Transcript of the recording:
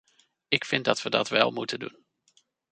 Ik vind dat we dat wel moeten doen.